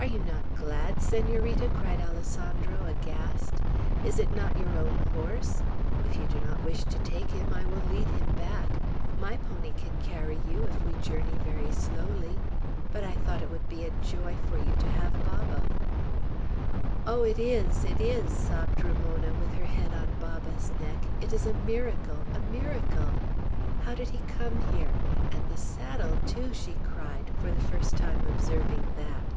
"Are you not glad, Senorita?" cried Alessandro, aghast. "Is it not your own horse? If you do not wish to take him, I will lead him back. My pony can carry you, if we journey very slowly. But I thought it would be joy to you to have Baba." "Oh, it is! it is!" sobbed Ramona, with her head on Baba's neck. "It is a miracle, a miracle. How did he come here? And, the saddle too!" she cried, for the first time observing that.